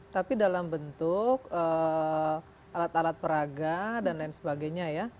tapi dalam bentuk alat alat peraga dan lain sebagainya ya